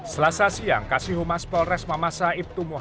selasa siang kasihumas polres mamasa menemukan alasan yang tidak mencari penyelamat